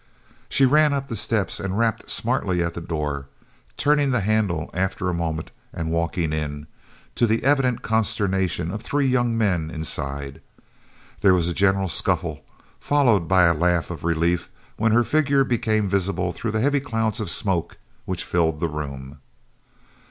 She ran up the steps and rapped smartly at the door, turning the handle after a moment and walking in, to the evident consternation of the three young men inside. There was a general scuffle, followed by a laugh of relief, when her figure became visible through the heavy clouds of smoke which filled the room.